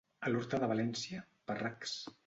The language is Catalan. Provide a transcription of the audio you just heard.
A l'horta de València, parracs.